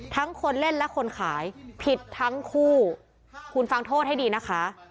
คนเล่นและคนขายผิดทั้งคู่คุณฟังโทษให้ดีนะคะ